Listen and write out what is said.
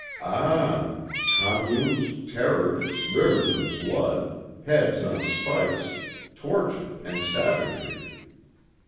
Ah! Communes, terrors, rivers of blood, heads on spikes, torture and savagery!